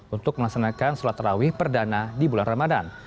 untuk melaksanakan solat tarawih perdana di bulan ramadan